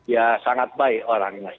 ya sangat baik orangnya